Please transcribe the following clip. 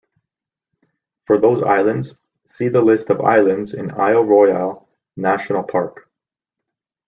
For those islands, see the list of islands in Isle Royale National Park.